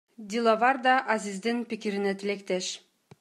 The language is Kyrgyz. Диловар да Азиздин пикирине тилектеш.